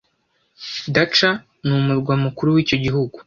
Dacca n'umurwa mukuru w'icyo gihugu